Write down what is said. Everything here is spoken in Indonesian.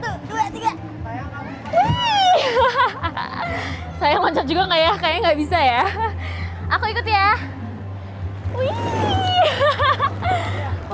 wuih saya loncat juga kayak kayak nggak bisa ya aku ikut ya wuih